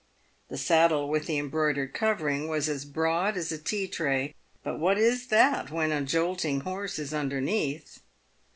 The saddle with the embroidered covering was as broad as a tea tray, but what is that when a jolting horse is underneath